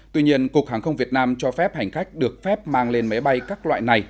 tuy nhiên cục hàng không việt nam cho phép hành khách được phép mang lên máy bay các loại này